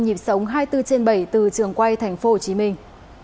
nhịp sống hai mươi bốn trên bảy từ trường quay thành phố hồ chí minh